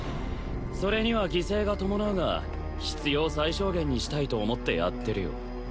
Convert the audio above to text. それには犠牲が伴うが必要最小限にしたいと思ってやってるよ